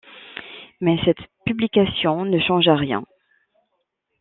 Mais cette publication ne changea rien.